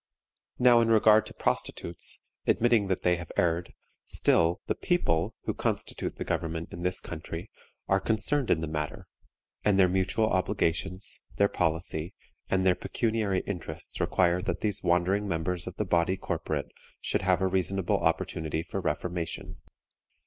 Now, in regard to prostitutes, admitting that they have erred, still, the people, who constitute the government in this country, are concerned in the matter, and their mutual obligations, their policy, and their pecuniary interests require that these wandering members of the body corporate should have a reasonable opportunity for reformation.